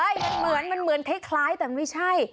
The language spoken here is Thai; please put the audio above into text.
เย๊มันเหมือนเหมือนใกล้แต่ไม่ใช่